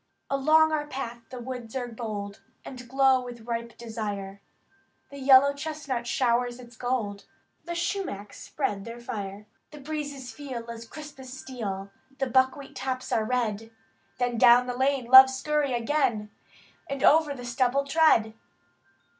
Along our path the woods are bold, And glow with ripe desire; The yellow chestnut showers its gold. The sumachs spread their fire; The breezes feel as crisp as steel. The buckwheat tops are red. Then down the lane, love, scurry again, And over the stubble tread!